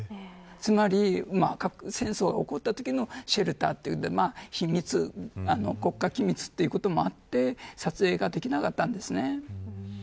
つまり、核戦争が起こったときのシェルターというので国家機密ということもあって撮影ができなかったんです。